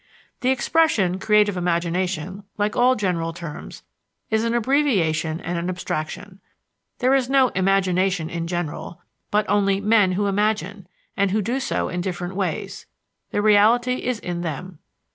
The expression "creative imagination," like all general terms, is an abbreviation and an abstraction. There is no "imagination in general," but only men who imagine, and who do so in different ways; the reality is in them.